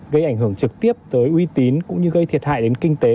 gây ảnh hưởng trực tiếp tới uy tín cũng như gây thiệt hại đến kinh tế